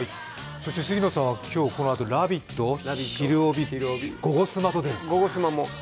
杉野さんは今日このあと「ラヴィット！」、「ひるおび」、「ゴゴスマ」と出る。